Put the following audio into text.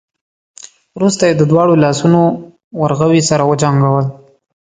وروسته يې د دواړو لاسونو ورغوي سره وجنګول.